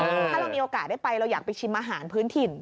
ถ้าเรามีโอกาสได้ไปเราอยากไปชิมอาหารพื้นถิ่น